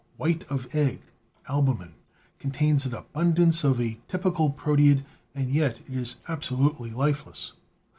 White of egg (albumen) contains an abundance of a typical proteid and yet is abso lutely lifeless.